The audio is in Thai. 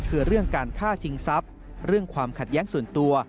คือเรื่องการฆ่าชิงทรัพย์เรื่องความขัดแย้งส่วนตัว